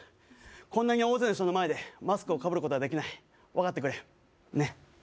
こんなに大勢の人の前でマスクをかぶることはできない分かってくれねっ？